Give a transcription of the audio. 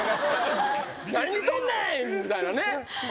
「何見とんねん！」みたいなね。